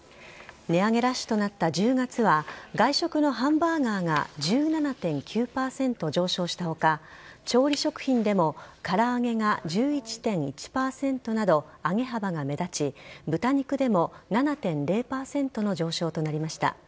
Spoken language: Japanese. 値上げラッシュとなった１０月は外食のハンバーガーが１７．９％上昇した他調理食品でも唐揚げが１１．１％など上げ幅が目立ち豚肉でも７．０％の上昇となりました。